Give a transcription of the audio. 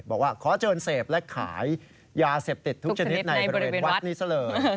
บอกว่าขอเชิญเสพและขายยาเสพติดทุกชนิดในบริเวณวัดนี้ซะเลย